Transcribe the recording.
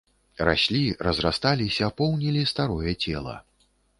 Раслі, разрасталіся, поўнілі старое цела.